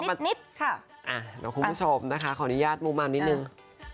เดี๋ยวคุณผู้ชมนะคะขออนุญาตมุมมามนิดนึง